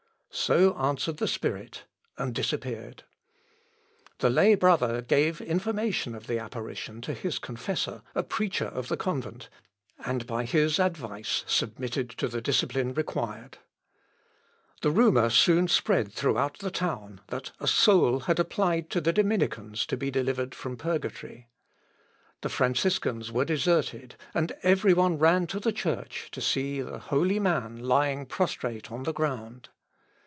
So answered the spirit, and disappeared. The lay brother gave information of the apparition to his confessor, a preacher of the convent, and by his advice submitted to the discipline required. The rumour soon spread throughout the town that a soul had applied to the Dominicans to be delivered from purgatory. The Franciscans were deserted, and every one ran to the church to see the holy man lying prostrate on the ground.